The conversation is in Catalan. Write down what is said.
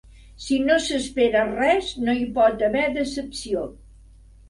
Si no s'espera res, no hi pot haver decepció.